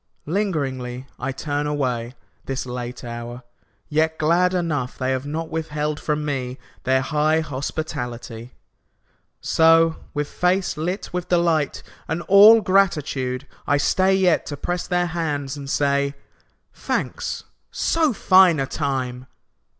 Lingeringly I turn away, This late hour, yet glad enough They have not withheld from me Their high hospitality. So, with face lit with delight And all gratitude, I stay Yet to press their hands and say, "Thanks. So fine a time